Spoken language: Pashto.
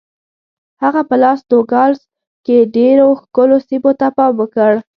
هغه په لاس نوګالس کې ډېرو ښکلو سیمو ته پام وکړ.